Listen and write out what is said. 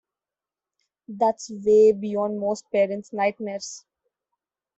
That's way beyond most parents' nightmares.